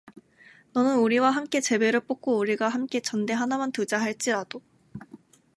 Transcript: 너는 우리와 함께 제비를 뽑고 우리가 함께 전대 하나만 두자 할지라도